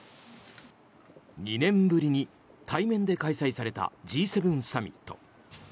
２年ぶりに対面で開催されたＧ７サミット。